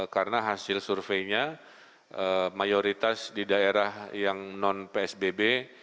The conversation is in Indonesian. karena hasil surveinya mayoritas di daerah yang non psbb